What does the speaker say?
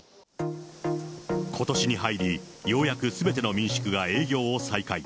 ことしに入り、ようやくすべての民宿が営業を再開。